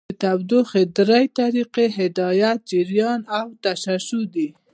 د تودوخې درې طریقې هدایت، جریان او تشعشع دي.